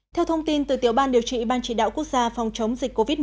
theo thông tin từ tiểu ban điều trị ban chỉ đạo quốc gia phòng chống dịch covid một mươi